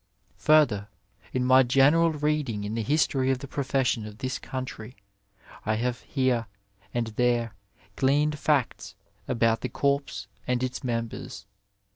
Further, in my general reading in the history of the profession of this country, I have here and there gleaned facts about the corps and its members.